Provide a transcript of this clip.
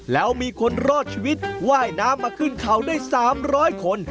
แล้วมีคนรอดชีวิตว่ายน้ำมาขึ้นเขาได้๓๐๐คน